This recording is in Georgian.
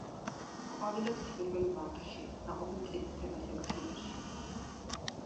ყვავილობს თებერვალ-მარტში, ნაყოფი მწიფდება სექტემბერში.